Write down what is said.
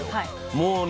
もうね